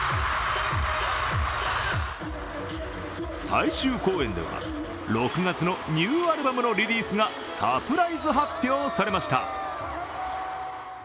最終公演では６月のニューアルバムのリリースがサプライズ発表されました。